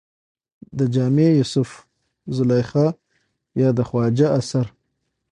د جامي يوسف زلېخا يا د خواجه اثر